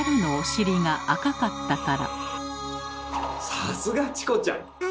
さすがチコちゃん！